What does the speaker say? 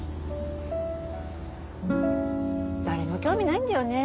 誰も興味ないんだよね